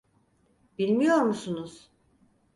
Bilmiyor musunuz?